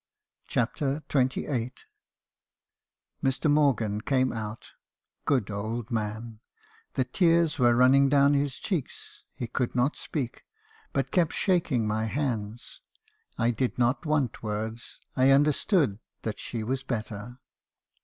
CHAPTEE XXVni. "Mr. Morgan came out. Good old man! The tears were running down his cheeks: he could not speak; but kept shaking my hands. I did not want words. I understood that she was better.